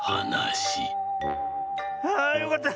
ああよかった！